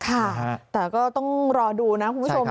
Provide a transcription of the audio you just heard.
แต่ก็ต้องรอดูนะคุณผู้ชม